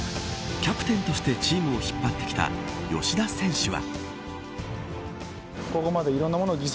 キャプテンとしてチームを引っ張ってきた吉田選手は。